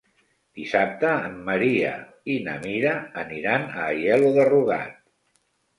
Dissabte en Maria i na Mira aniran a Aielo de Rugat.